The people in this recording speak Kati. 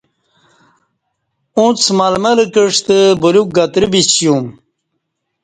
اُݩڅ ململہ کعستہ بلیوک گترہ بِسیوم